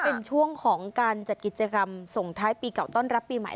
เป็นช่วงของการจัดกิจกรรมส่งท้ายปีเก่าต้อนรับปีใหม่